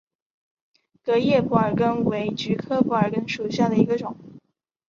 革叶蒲儿根为菊科蒲儿根属下的一个种。